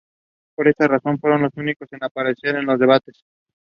Collingwood was the first of three children for the couple.